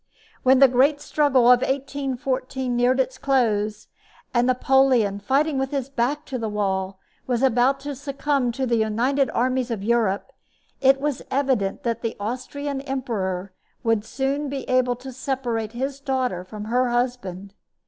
When the great struggle of 1814 neared its close, and Napoleon, fighting with his back to the wall, was about to succumb to the united armies of Europe, it was evident that the Austrian emperor would soon be able to separate his daughter from her husband.